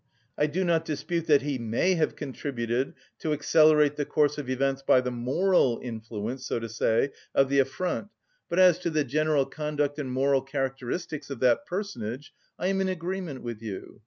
I do not dispute that he may have contributed to accelerate the course of events by the moral influence, so to say, of the affront; but as to the general conduct and moral characteristics of that personage, I am in agreement with you.